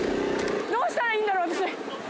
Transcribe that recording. どうしたらいいんだろう私